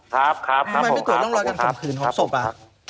ทำไมไม่ตรวจร่องรอยการข่มขืนของศพอ่ะ